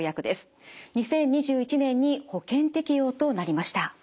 ２０２１年に保険適用となりました。